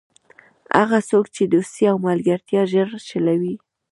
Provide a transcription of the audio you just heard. هغه څوک چې دوستي او ملګرتیا ژر شلوي.